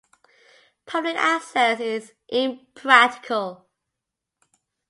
Public access is impractical.